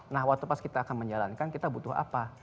nah waktu pas kita akan menjalankan kita butuh apa